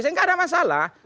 saya enggak ada masalah